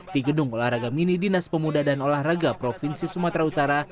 di gedung olahraga mini dinas pemuda dan olahraga provinsi sumatera utara